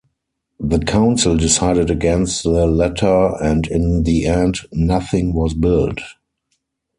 The council decided against the latter and in the end nothing was built.